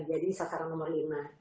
jadi sasaran nomor lima